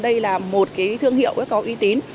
đây là một cái thương hiệu có uy tín